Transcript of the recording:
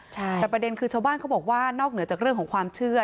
แต่ประเด็นคือชาวบ้านเขาบอกว่านอกเหนือจากเรื่องของความเชื่อ